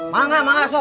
mau gak mau gak sok